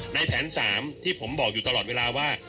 ในแผน๓ที่ผมบอกอยู่ตลอดเวลาว่า